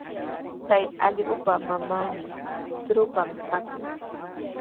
Chay allqupa manami trupan kanku.